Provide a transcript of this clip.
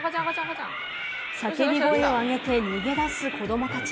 叫び声を上げて逃げ出す子供たち。